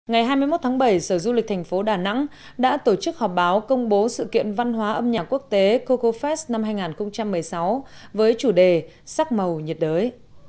ngày hai mươi một tháng bảy sở du lịch thành phố đà nẵng đã tổ chức họp báo công bố sự kiện văn hóa âm nhạc quốc tế cocofest năm hai nghìn một mươi sáu với chủ đề sắc màu nhiệt đới